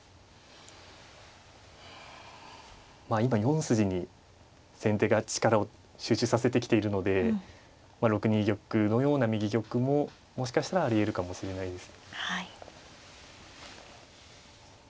まあ今４筋に先手が力を集中させてきているので６二玉のような右玉ももしかしたらありえるかもしれないです。